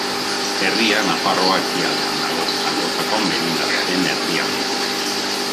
Herria Nafarroa ekialdean dago, Zangozako merindadearen erdialdean.